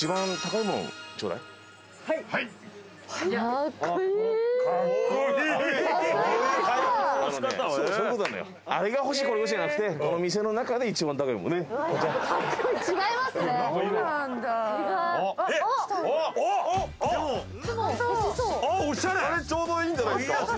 これちょうどいいんじゃないですか？